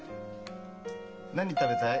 何食べたい？